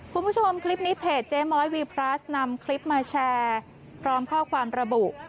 คุณผู้ชมคลิปนี้เพจเจ๊ม้อยวีพลัสนำคลิปมาแชร์พร้อมข้อความระบุ